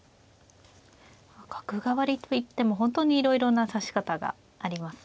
角換わりといっても本当にいろいろな指し方がありますね。